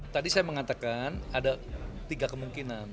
tadi saya mengatakan ada tiga kemungkinan